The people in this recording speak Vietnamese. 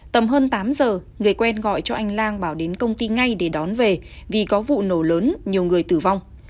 tầm hơn tám giờ người quen gọi cho anh lang bảo đến công ty ngay để đón về vì có vụ nổ lớn nhiều người tử vong